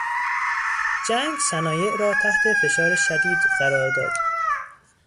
جنگ صنایع را تحت فشار شدید قرار داد.